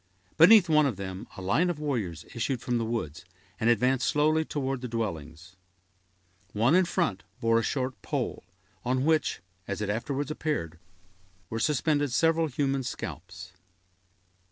Beneath one of them, a line of warriors issued from the woods, and advanced slowly toward the dwellings. One in front bore a short pole, on which, as it afterwards appeared, were suspended several human scalps.